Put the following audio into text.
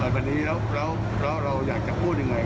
วันนี้เราอยากฟูลยังไง